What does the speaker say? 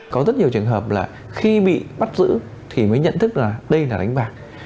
có rất nhiều trường hợp là khi bị bắt giữ thì mới nhận thức là đây là đánh bạc